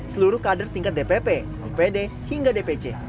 seluruh kader tingkat dpp opd hingga dpc